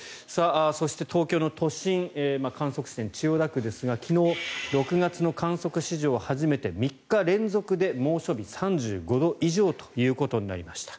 そして、東京都心観測地点、千代田区ですが昨日、６月の観測史上初めて３日連続で猛暑日３５度以上ということになりました。